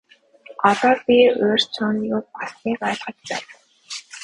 Одоо би урьд шөнө юу болсныг ойлгож байна.